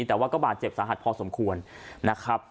แต่ว่าก็บาดเจ็บสาหัสพอสมควรนะครับ